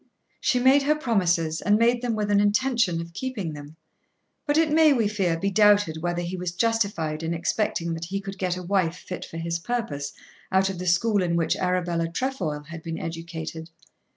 She made her promises and made them with an intention of keeping them; but it may, we fear, be doubted whether he was justified in expecting that he could get a wife fit for his purpose out of the school in which Arabella Trefoil had been educated.